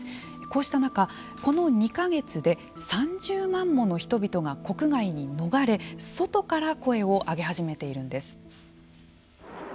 こうした中、この２か月で３０万もの人々が国外に逃れ、外から声を上げ始めているんです。